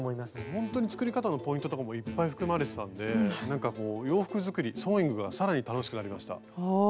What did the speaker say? ほんとに作り方のポイントとかもいっぱい含まれてたんで洋服作りソーイングがさらに楽しくなりました。